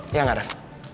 iya gak ref